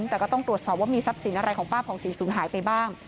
แต่ก็ต้องตรวจสอบว่ามีทรัพย์สินอะไรของป้าผ่องศรีศูนย์หายไปบ้าง